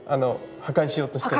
破壊しようとしてる？